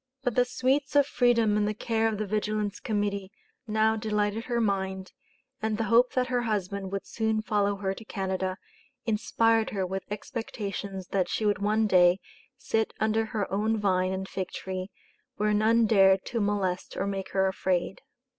But the sweets of freedom in the care of the Vigilance Committee now delighted her mind, and the hope that her husband would soon follow her to Canada, inspired her with expectations that she would one day "sit under her own vine and fig tree where none dared to molest or make her afraid."